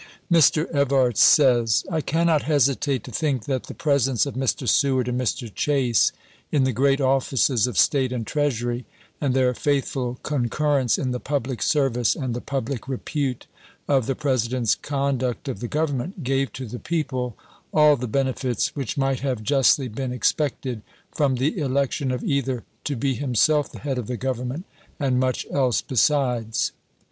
Mr. Evarts says : I cannot hesitate to think that the presence of Mr. Seward and Mr. Chase in the great ofl&ces of State and Treasury, and their faithful concurrence in the public service and the public repute of the President's conduct of the Government, gave to the people all the benefits which might have justly been expected from the election of either to be himseK the head of the Government, and much else besides.